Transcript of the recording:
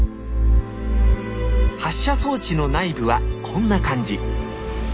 発射装置の内部はこんな感じ。